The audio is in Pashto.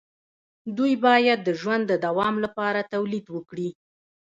دوی باید د ژوند د دوام لپاره تولید وکړي.